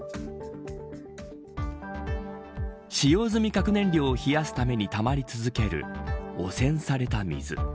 使用済み核燃料を冷やすためにたまり続ける汚染された水。